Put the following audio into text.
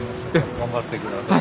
頑張って下さい。